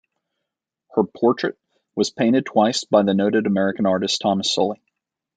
Her portrait was painted twice by the noted American artist Thomas Sully.